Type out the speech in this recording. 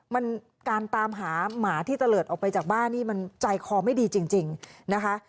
มันการตามหาหมาที่ตะเลิศออกไปจากบ้านนี่มันใจคอไม่ดีจริงนะคะ